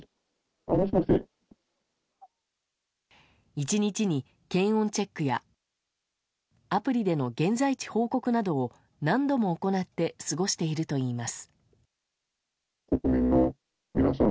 １日に検温チェックやアプリでの現在地報告などを何度も行って過ごしているといいます。